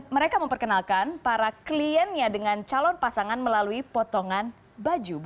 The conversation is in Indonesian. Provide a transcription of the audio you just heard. mereka memperkenalkan para kliennya dengan calon pasangan melalui potongan baju